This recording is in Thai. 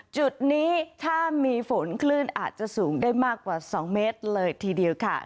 จุดนี้ถ้ามีฝนคลื่นอาจจะสูงได้มากกว่า๒เมตรเลยทีเดียวค่ะ